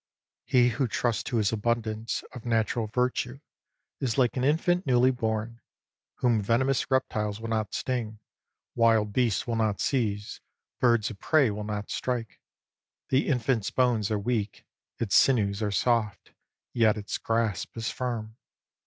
He who trusts to his abundance of natural virtue is like an infant newly born, whom venomous reptiles will not sting, wild beasts will not seize, birds of prey will not strike. The infant's bones are weak, its sinews are soft, yet its grasp is firm.